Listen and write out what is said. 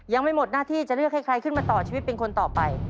ยังไม่หมดหน้าที่จะเลือกให้ใครขึ้นมาต่อชีวิตเป็นคนต่อไป